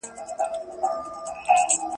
تر هغه وخته به پرمختګ سوی وي.